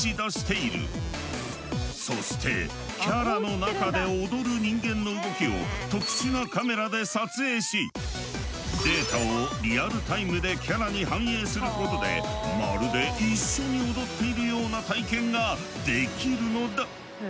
そしてキャラの中で踊る人間の動きを特殊なカメラで撮影しデータをリアルタイムでキャラに反映することでまるで一緒に踊っているような体験ができるのだ。